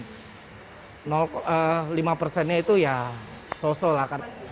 dan lima persennya itu ya sosol lah kan